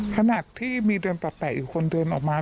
ขนาดที่มีเดือนตัดแต่อีกคนเดินออกมา